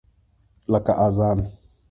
لکه اذان !